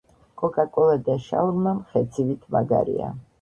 კოკა კოლა და შაურმა მხეცივით მაგარია